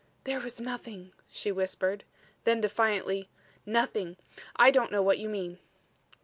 "There was nothing," she whispered then defiantly "nothing. I don't know what you mean."